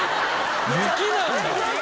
雪なんだ！